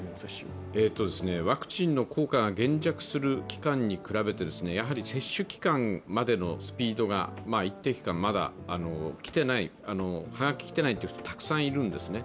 ワクチンの効果が減弱する期間に比べて接種期間までのスピードが一定期間、まだ来ていない、はがきが来ていないという人がたくさんいるんですね。